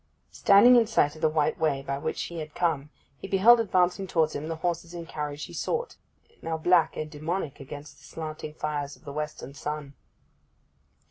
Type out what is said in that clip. Standing in sight of the white way by which he had come he beheld advancing towards him the horses and carriage he sought, now black and daemonic against the slanting fires of the western sun.